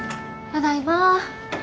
ただいま。